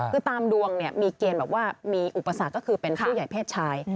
คือตามดวงเนี่ยมีเกณฑ์แบบว่ามีอุปสรรคก็คือเป็นผู้ใหญ่เพศชาย